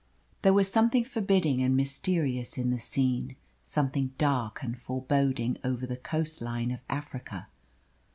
There was something forbidding and mysterious in the scene, something dark and foreboding over the coast line of Africa.